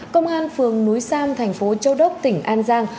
công an phường núi sam thành phố châu đốc tỉnh an giang